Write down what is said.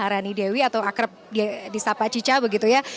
perbincangan singkat saya dengan tarisa maharani dewi atau akrab di sapa cica begitu ya